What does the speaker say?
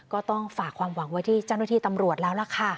ก็ต้องฝากความหวังไว้ที่เจ้าหน้าที่ตำรวจแล้วล่ะค่ะ